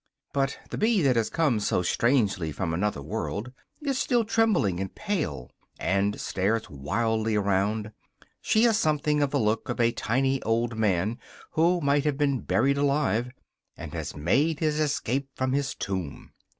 But the bee that has come so strangely from another world is still trembling and pale, and stares wildly around; she has something of the look of a tiny old man who might have been buried alive, and has made his escape from his tomb.